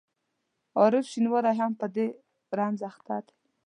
عارف شینواری هم په دې رنځ اخته دی.